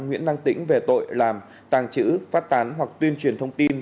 nguyễn đăng tĩnh về tội làm tàng trữ phát tán hoặc tuyên truyền thông tin